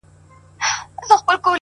ستا په تعويذ كي به خپل زړه وويني؛